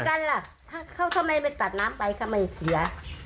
ก็มันกันล่ะเขาทำไมไปตัดน้ำไปทำไมเสีย